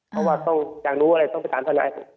เพราะว่าอยากรู้อะไรต้องไปตามธนายท์